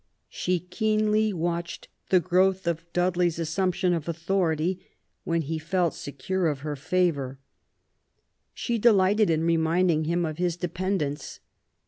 She keenly watched the growth of Dudley's assumption of authority, when he felt secure of her favour. She delighted in reminding him of his dependence.